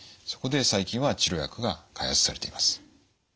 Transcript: そこで最近は治療薬が開発されています。